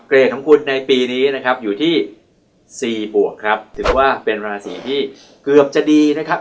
ของคุณในปีนี้นะครับอยู่ที่สี่บวกครับถือว่าเป็นราศีที่เกือบจะดีนะครับ